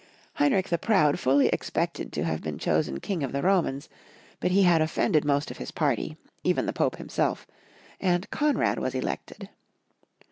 Heinrich the Proud fully expected to have been 122 Young Folks'^ History of Germany. chosen King of the Romans, but he had offended most of his party, even the Pope himself, and Konrad was elected.